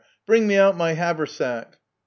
Bring me out my haversack !